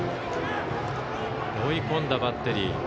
追い込んだバッテリー。